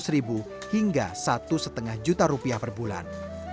seratus ribu hingga satu lima juta rupiah per bulan